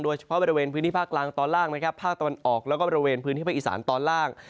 เฉพาะบริเวณพื้นที่ภาคกลางตอนล่างนะครับภาคตะวันออกแล้วก็บริเวณพื้นที่ภาคอีสานตอนล่าง